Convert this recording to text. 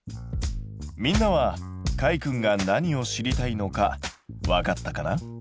みんなはかいくんが何を知りたいのかわかったかな？